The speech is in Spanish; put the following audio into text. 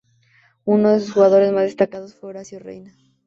Uno de sus jugadores más destacados fue Horacio Reyna.